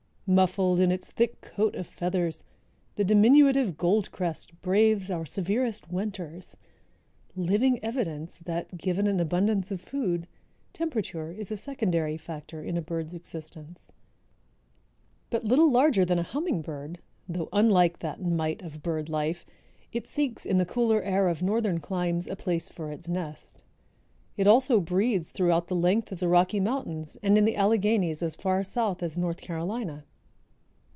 "Muffled in its thick coat of feathers, the diminutive Goldcrest braves our severest winters, living evidence that, given an abundance of food, temperature is a secondary factor in a bird's existence." But little larger than a hummingbird, though unlike that mite of bird life, it seeks in the cooler air of northern climes a place for its nest. It also breeds throughout the length of the Rocky Mountains and in the Alleghanies as far south as North Carolina.